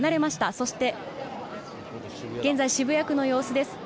そして、現在、渋谷区の様子です。